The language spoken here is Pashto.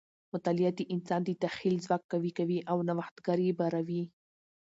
مطالعه د انسان د تخیل ځواک قوي کوي او نوښتګر یې باروي.